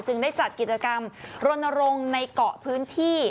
ได้จัดกิจกรรมรณรงค์ในเกาะพื้นที่